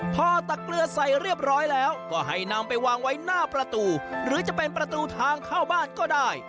พอตักเกลือใส่เรียบร้อยแล้วก็ให้นำไปวางไว้หน้าประตูหรือจะเป็นประตูทางเข้าบ้านก็ได้